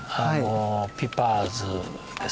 ピパーズですね。